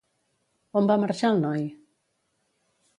On va marxar el noi?